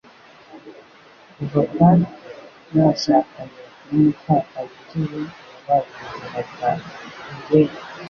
Kuva Pat yashakanye numupfakazi ukize, yabaye ubuzima bwa Riley